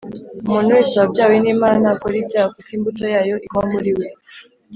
Umuntu wese wabyawe n’Imana ntakora ibyaha kuko imbuto yayo iguma muri we,